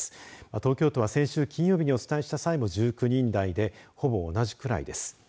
東京都は先週金曜日にお伝えした際も１９人台でほぼ同じぐらいです。